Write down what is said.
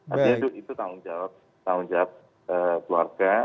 artinya itu tanggung jawab keluarga